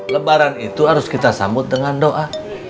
lebaran itu harus kita sambut dengan doa